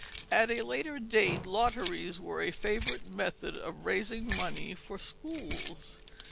At a later date lotteries were a favorite method of raising money for schools.